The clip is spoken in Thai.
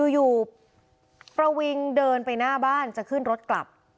อยู่ประวิงเดินไปหน้าบ้านจะขึ้นรถกลับ